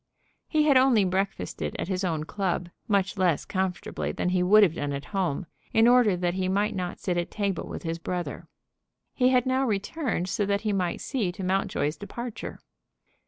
He had only breakfasted at his own club, much less comfortably than he would have done at home, in order that he might not sit at table with his brother. He had now returned so that he might see to Mountjoy's departure.